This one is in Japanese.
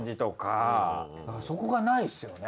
そこがないですよね。